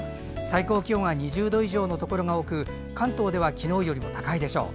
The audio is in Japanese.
最高気温は２０度以上のところが多く関東では昨日よりも高いでしょう。